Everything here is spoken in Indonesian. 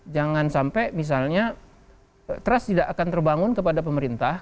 jangan sampai misalnya trust tidak akan terbangun kepada pemerintah